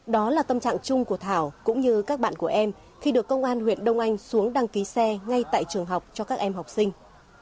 đó là tâm trạng chung của thảo cũng như các bạn của em khi được công an huyện đông anh xuống đăng ký xe ngay tại trường học cho các em học sinh